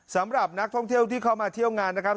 สำหรับนักท่องเที่ยวที่เข้ามาเที่ยวงานนะครับ